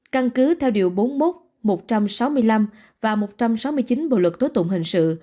căn cứ theo điều bốn mươi một một trăm sáu mươi năm và một trăm sáu mươi chín bộ luật tố tụng hình sự